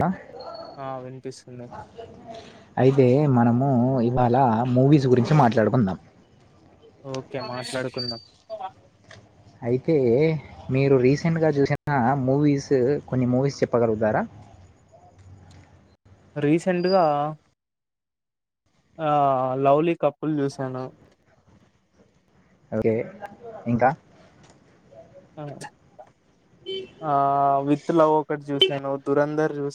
The ఆ వినిపిస్తుంది అయితే మనము ఇవాళ మూవీస్ గురించి మాట్లాడుకుందాం ఓకే మాట్లాడుకుందాం అయితే మీరు రీసెంట్గా చూసిన మూవీస్ కొన్ని మూవీస్ చెప్పగలుగుతారా [inaudible] రీసెంట్గా ఆ లవ్లీ కప్పుల్ చూసాను అలాగే ఇంకా ఆ విత్ లవ్ ఒకటి చూసాను దురంధర్ చూసా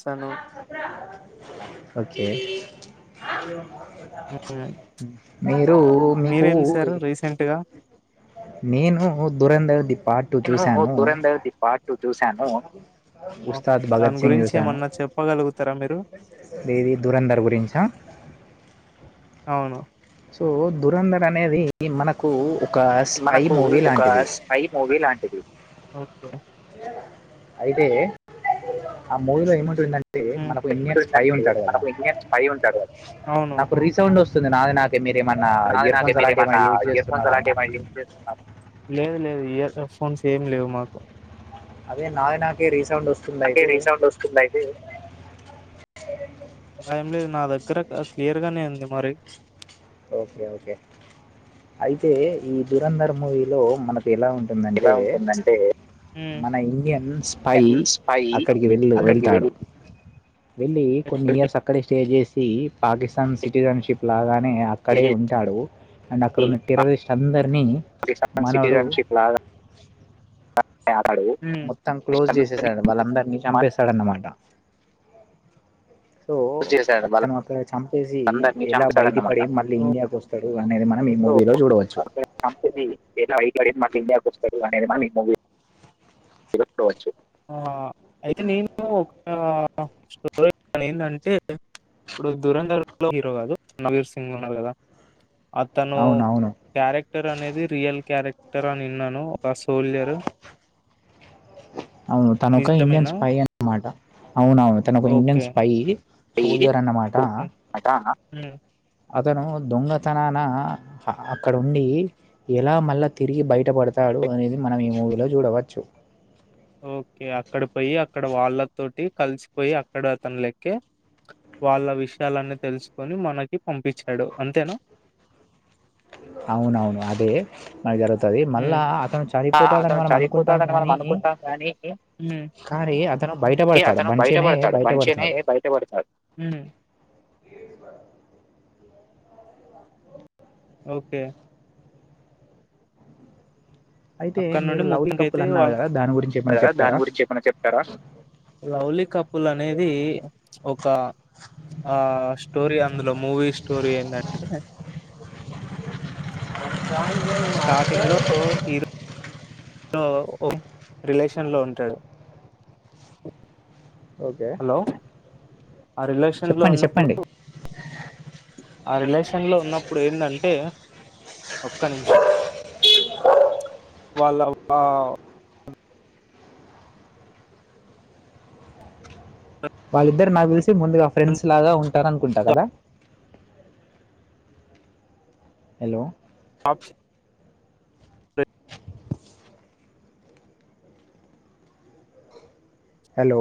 ఓకే ఉమ్, మీరు మీకు మీరేం చూసారు రీసెంట్ గా నేను దురంధ్రది పార్టు ట్వ నేను చూశాను దురంధర్ ది పార్ట్ టూ చూశాను అవునా ఉస్తాద్ భగత్ దాని సింగ్ గురించి చుసాను ఏమన్నా చెప్పగలుగుతారా మీరు ఏది దూరంధర్ గురించా అవును సో దురంధర అనేది మనకు ఒక స్పై మనకు మూవీ ఒక లాంటిది స్పై మూవీ లాంటిది అయితే ఆ మూవలో ఏమంటుందంటే టే ఉమ్, మనకు ఇండియన్స్ పై ఏంటంటే ఉంటాడు కదా మనకు ఇండియన్ స్పై ఉంటాడు కదా, అవును నాకు రీసౌండ్ వస్తుంది నాది నా నాది నాకే మీరు ఏమన్నా ఇయర్ ఫోన్స్ చేస్తున్నారా అలాంటివి ఏమ యూజ చే లేదు లేదు హెడ్ ఫోన్స్ ఏమి లేవు మాకు అదే నాది నాకే రీసె నాకే రిసౌండ్ వస్తుందియైతే ఏం లేదు నా దగ్గర క్లియర్ గానే ఉంది మరి ఓకే ఓకే అయితే ఈ ధురంధర్ మూవీలో మన ఎలా ఎలా ఉంటుందంటే ఉంటుందంటే మన ఇండియన్ స్పై ఎన్స్ పై అక్కడికి వెళ్ళ అక్కడికి వెళ్తాడు వెళ్ళి వెళ్ళలి కొన్ని ఇయర్స్ అక్కడే స్టే చేసి పాకిస్తాన్ సిటిజన్షిప్ లాగానే అక్కడే ఉంటాడు అండ్ అక్కడ ఉన్న టెర్రరిస్ట్ అందరినీ మనడు సే మొత్తం క్లోజ్ చేసేసాడు వాళ్ళందరినీ చంపేసాడన్నమాట సో మోస్ చేశాడు అతను ఒకే చా వచ్చేసి వాళ్ళందరినీ ఎలా చంపేశాడన్నమాట బయటపడి మళ్ళీ ఇండియాకొస్తడు అనేది మనం ఈ మూవీలో జూడవచ్చు లాడి కునే ఆ అయితే నేను ఆ ఒక స్టోరీ ఎందంటే ఇప్పుడు దూరంధర్ మూవీ లో హీరో కాదు నవీర్ సింగ్ ఉన్నారు గదా అతనూ అవునవును క్యారెక్టర్ అనేది రియల్ క్యారెక్టర్ అని విన్నను ఒక స్ సోల్జరు అవును తనొక ఇండియన్ స్పై అన్నమాట అవునవును తనొక ఇండియన్ ఓకే స్పై సోల్జర్ అన్నమాట అహా అతనూ దొంగతనాన అ అ అక్కడుండీ ఎలా మళ్ళ తిరిగి బయటప డతాడు అనేది మనం ఈ మూవీలో జూడవచ్చు ఓకే అక్కడ పోయి అక్కడ వాళ్ళతోటి కలిసిపోయి అక్కడ అతనిలెక్కే వాళ్ళ విషయాలన్నీ తెలుసుకొని మనకి పంపిచ్చాడు అంతేనా అవునవును అదే జరుగుతుంది మళ్ళా ఉమ్, అతను ఆ, చనిపోతాడని అతను మనం చనిపోతాడని మనం అనుకుంటాంగాని ఏ అనుకుంటాం కానీ ఉమ్, అయ్యి అతను ఏ బయటపడతాడు అతను మంచినే బయటపడతాడు. బంచనే బయటపడతాడు బయటపడతాడు. హ్మ్. ఓకే అయితే కదా మీరు లవ్లీ కప్పులు అన్నారు కదా దాని గురించి ఏమైనా దాని చెప్తారా గురించేమైనా చెప్తారా లవ్లీ కపుల్ అనేది ఒక ఆ స్టోరీ అం ఇందులో మూవీష్టోరీ ఎందంటే స్టార్టింగ్ లో హీరో లో ఒ రిలేషన్ లో ఉంటాడు ఓకే హలో! ఆ రిలేషన్ లో చెప్పండి ఉన్నప్పుడూ చెప్పండి ఆ రిలేషన్ లో ఉన్నప్పుడు ఏందంటే వాళ్ళ అమ్మా వాళ్ళిద్దరు నాకు తెలిసి ముందుగా ఫ్రెండ్స్ లాగా ఉంటరనుకుంటరు గదా హెలో ఆప్ చె హలో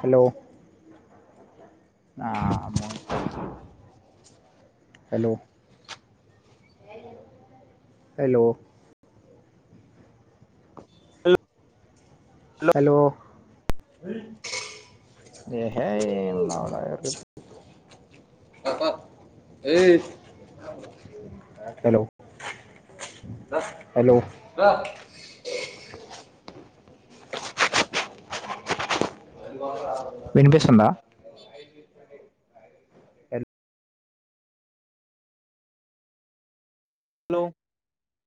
హలో ఆ [unintelligible] హలో హలో హలో ఏహే ఏం లౌడ అ అ ఏయ్ హలో వినిపిస్తుందా లో